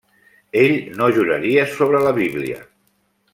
Ell no juraria sobre la Bíblia.